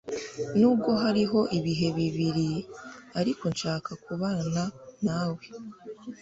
Nubwo Hariho ibihe bibiri ariko nshaka kubana nawe,